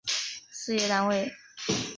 事业单位